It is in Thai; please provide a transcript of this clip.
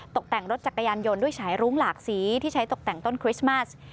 ตกแต่งรถจักรยานยนต์ด้วยฉายรุ้งหลากสีที่ใช้ตกแต่งต้นคริสต์มัส